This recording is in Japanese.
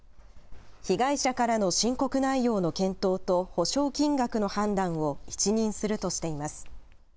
被害者からの申告内容の検討と補償金額の判断を一任するとしています。